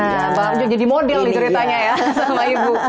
nah pak harjo jadi model nih ceritanya ya sama ibu